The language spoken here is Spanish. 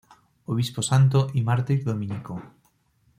Obispo santo y mártir dominico.